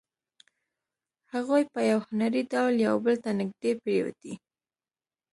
هغوی په یو هنري ډول یو بل ته نږدې پرېوتې